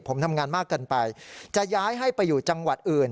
ผมทำงานมากเกินไปจะย้ายให้ไปอยู่จังหวัดอื่น